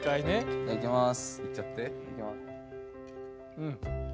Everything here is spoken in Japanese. いただきます。